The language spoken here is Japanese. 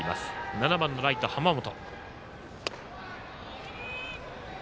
７番のライト、濱本。